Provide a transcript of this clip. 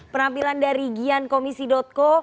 penampilan dari gyankomisi co